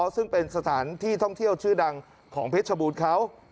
ซึ่งเป็นสถานที่ท่องเที่ยวชื่อดังของเพชรบูรณ์เขา